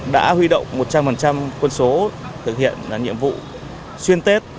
đã huy động một trăm linh quân số thực hiện nhiệm vụ xuyên tết